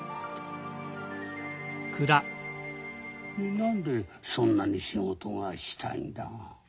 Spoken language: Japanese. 何でそんなに仕事がしたいんだ？